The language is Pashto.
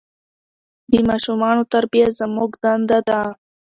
د ماشومان تربیه زموږ دنده ده.